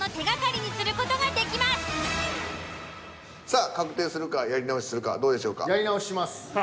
さあ確定するかやり直しするかどうでしょうか？